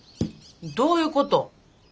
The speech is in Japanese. どういうこと？